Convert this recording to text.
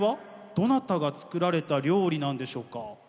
どなたが作られた料理なんでしょうか？